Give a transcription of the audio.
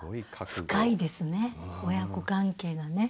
深いですね親子関係がね。